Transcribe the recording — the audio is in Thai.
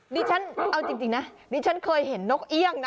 ดิฉันเอาจริงนะดิฉันเคยเห็นนกเอี่ยงนะ